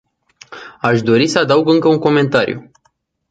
Aș dori să adaug încă un comentariu.